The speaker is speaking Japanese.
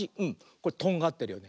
これとんがってるよね。